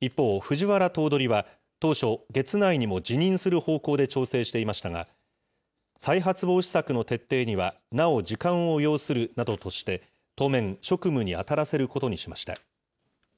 一方、藤原頭取は当初、月内にも辞任する方向で調整していましたが、再発防止策の徹底にはなお時間を要するなどとして、当面、職務に当たらせることにしました。